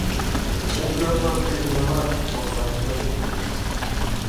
У пӧртлан пижынамат, окса моткочак кӱлеш.